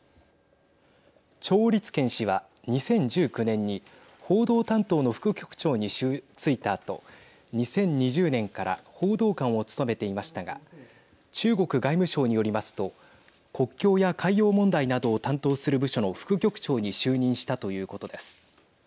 趙立堅氏は２０１９年に報道担当の副局長に就いたあと２０２０年から報道官を務めていましたが中国外務省によりますと国境や海洋問題などを担当する部署の副局長に就任したということです。